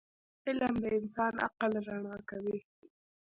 علم د انسان عقل رڼا کوي.